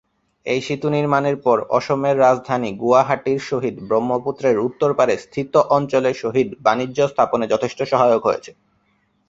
এই সেতু নির্মাণের পর অসমের রাজধানী গুয়াহাটির সহিত ব্রহ্মপুত্রের উত্তর পারে স্থিত অঞ্চলের সহিত বাণিজ্য স্থাপনে যথেষ্ট সহায়ক হয়েছে।